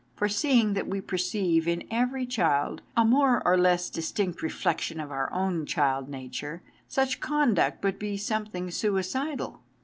For seeing that we perceive in every child a more or less distinct reflection of our own child nature, such conduct would be something suicidal.